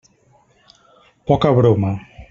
Poca broma.